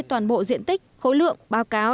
toàn bộ diện tích khối lượng báo cáo